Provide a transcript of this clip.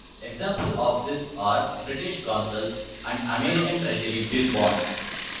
Examples of this are British Consols and American Treasury bill bonds.